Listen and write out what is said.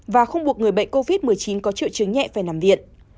và không buộc người bệnh covid một mươi chín có triệu chứng nhẹ phải nằm viện